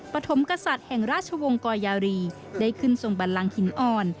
ปฐมกษัตริย์แห่งราชวงศ์กอยารีได้ขึ้นทรงบันลังหินอ่อน